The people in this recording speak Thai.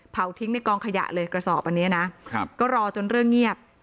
ทิ้งในกองขยะเลยกระสอบอันนี้นะก็รอจนเรื่องเงียบ